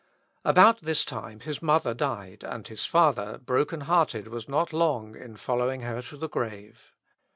About this time his mother died, and his father, broken hearted, was not long in following her to the grave.